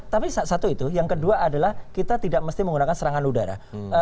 tapi satu itu yang kedua adalah kita tidak mesti menggunakan serangan udara